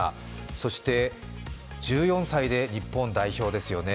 そして、１４歳で日本代表ですよね。